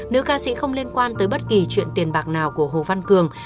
nữ ca sĩ không liên quan tới bất kỳ chuyện tiền bạc nào của hồ văn cường